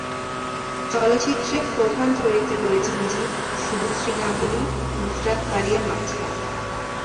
চলচ্চিত্রে প্রধান চরিত্রে রয়েছেন জিৎ, শুভশ্রী গাঙ্গুলী, নুসরাত ফারিয়া মাজহার।